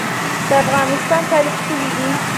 د افغانستان کالي ښکلي دي